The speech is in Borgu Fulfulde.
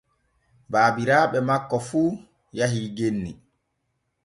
Baabiraaɓe makko fu yahii genni.